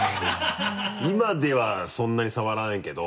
今ではそんなに触らないけど。